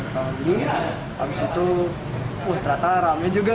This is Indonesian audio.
pertama beli habis itu uh ternyata rame juga